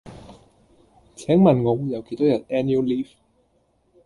請問我會有幾多日 Annual Leave?